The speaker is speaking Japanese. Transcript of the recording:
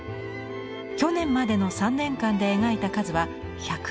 去年までの３年間で描いた数は１０７点。